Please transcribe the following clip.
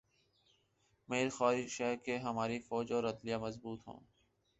میری خواہش ہے کہ ہماری فوج اور عدلیہ مضبوط ہوں۔